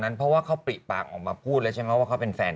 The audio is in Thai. เพราะว่าเขาปริปากออกมาพูดแล้วใช่ไหมว่าเขาเป็นแฟน